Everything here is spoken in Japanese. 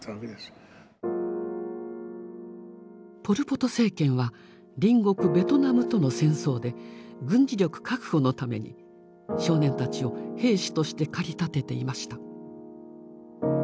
ポル・ポト政権は隣国ベトナムとの戦争で軍事力確保のために少年たちを兵士として駆り立てていました。